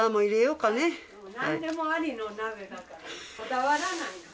なんでもありの鍋だからこだわらないの。